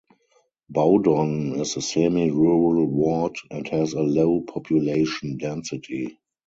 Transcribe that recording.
Bowdon is a semi-rural ward and has a low population density.